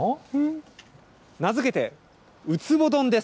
名付けて、ウツボ丼です。